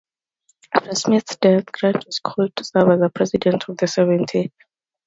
After Smith's death, Grant was called to serve as a President of the Seventy.